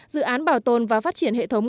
dự án bảo tồn và phát triển hệ thống